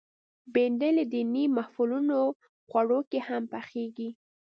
بېنډۍ له دینی محفلونو خوړو کې هم پخېږي